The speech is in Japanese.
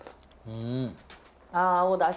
うん。